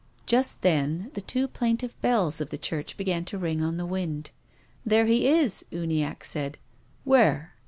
Just then the two plaintive bells of the church began to ring on the wind. " There he is !" Uniacke said. "Where?"